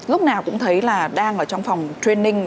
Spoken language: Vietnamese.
lúc nào cũng thấy là đang ở trong phòng training